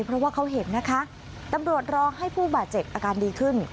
เพราะว่าเขาเห็นนะคะตำรวจรอให้ผู้บาดเจ็บอาการดีขึ้น